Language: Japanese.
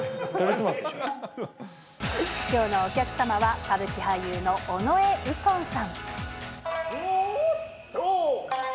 きょうのお客様は歌舞伎俳優の尾上右近さん。